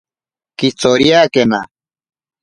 Kitsoriakena.